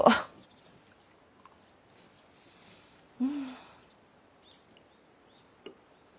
うん。